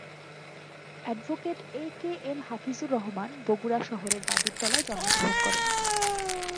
Advocate A K M Hafizur Rahman Bogura শহরের বাদুরতলায় জন্ম গ্রহণ করেন।